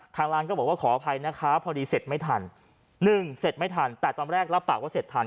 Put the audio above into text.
ทางร้านก็บอกว่าขออภัยนะคะพอดีเสร็จไม่ทันหนึ่งเสร็จไม่ทันแต่ตอนแรกรับปากว่าเสร็จทัน